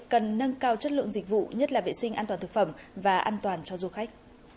cần nâng cao chất lượng dịch vụ nhất là vệ sinh an toàn thực phẩm và an toàn cho du khách